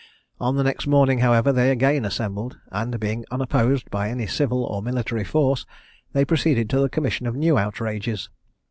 On the next morning, however, they again assembled, and being unopposed by any civil or military force, they proceeded to the commission of new outrages.